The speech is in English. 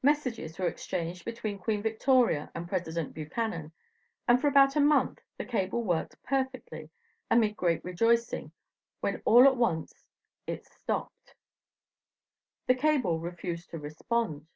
Messages were exchanged between Queen Victoria and President Buchanan, and for about a month the cable worked perfectly, amid great rejoicing, when all at once it stopped; the cable refused to respond.